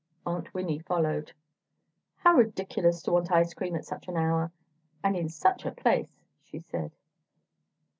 Aunt Winnie followed. "How ridiculous to want ice cream at such an hour, and in such a place!" she said.